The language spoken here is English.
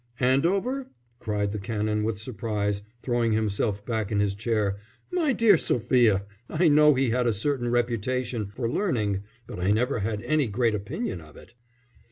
"Andover?" cried the Canon, with surprise, throwing himself back in his chair. "My dear Sophia! I know he had a certain reputation for learning, but I never had any great opinion of it."